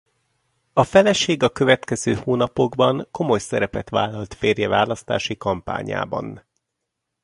A feleség a következő hónapokban komoly szerepet vállalt férje választási kampányában.